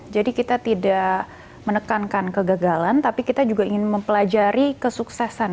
jadi kita tidak menekankan kegagalan tapi kita juga ingin mempelajari kesuksesan